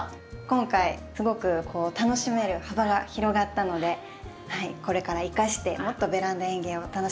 今回すごく楽しめる幅が広がったのでこれから生かしてもっとベランダ園芸を楽しんでいけたらなと思います。